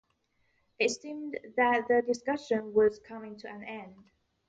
It seemed that the discussion was coming to an end.